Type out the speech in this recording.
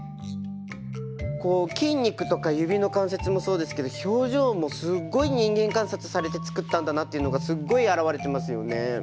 こう筋肉とか指の関節もそうですけど表情もすっごい人間観察されて作ったんだなっていうのがすっごい表れてますよね。